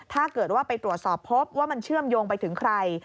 ถ้าเกิดว่าไปตรวจสอบพบว่ามันเชื่อมโยงไปถึงใคร